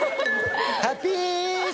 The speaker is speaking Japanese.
ハッピース！